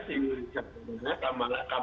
sebentar si kamala harris